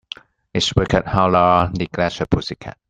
It's wicked how Lara neglects her pussy cat.